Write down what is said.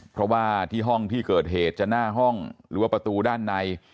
เพราะว่าที่ห้องที่เกิดเหตุจะหน้าห้องหรือว่าประตูด้านใน